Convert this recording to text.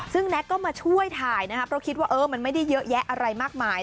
ซึ่งแน็กก็มาช่วยถ่ายนะครับเพราะคิดว่ามันไม่ได้เยอะแยะอะไรมากมาย